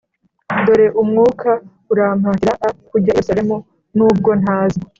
dore umwuka urampatira a kujya i Yerusalemu nubwo ntazi